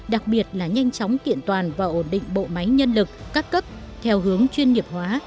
đặc biệt là nhanh chóng kiện toàn và ổn định bộ máy nhân lực các cấp theo hướng chuyên nghiệp hóa